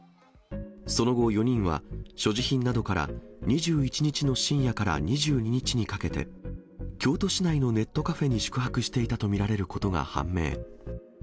その後、４人は所持品などから２１日の深夜から２２日にかけて、京都市内のネットカフェに宿泊していたと見られることが判明。